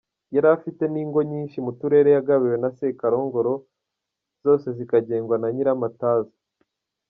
Yari afite n’ingo nyinshi mu turere yagabiwe na Sekarongoro, zose zikagengwa na Nyiramataza.